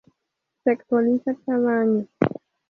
Se actualiza cada año.